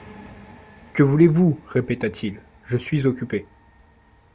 Que voulez vous ? répéta-t-il ; je suis occupé.